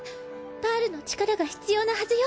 パールの力が必要なはずよ。